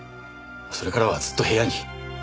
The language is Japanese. それからはずっと部屋に。